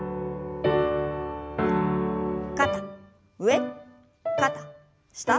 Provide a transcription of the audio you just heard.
肩上肩下。